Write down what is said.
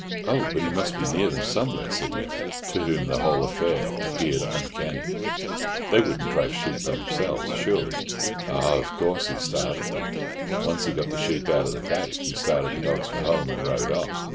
"Oh, but he must be near them somewhere," said Mary, to whom the whole affair appeared uncanny. "They wouldn't drive sheep by themselves, surely?" "Oh, of course, he started them. Once he got the sheep out of the paddock, he started the dogs for home, and rode off.